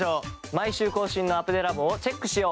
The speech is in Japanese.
毎週更新のアプデラボをチェックしよう！